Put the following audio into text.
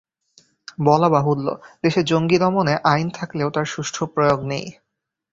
বলা বাহুল্য, দেশে জঙ্গি দমনে আইন থাকলেও তার সুষ্ঠু প্রয়োগ নেই।